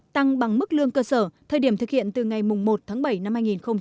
tăng bằng mức lương cơ sở thời điểm thực hiện từ ngày một tháng bảy năm hai nghìn hai mươi